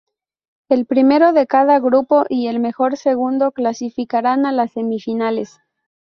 El primero de cada grupo y el mejor segundo clasificarán a las semifinales.